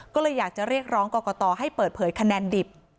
ก็เลยอยากจะเรียกร้องกรกตให้เปิดเผยคะแนนดิบ